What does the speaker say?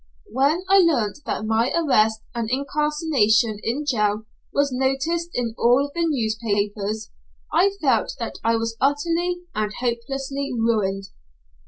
When I learnt that my arrest and incarceration in jail was noticed in all the newspapers, I felt that I was utterly and hopelessly ruined.